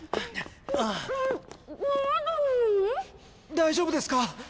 ⁉大丈夫ですか？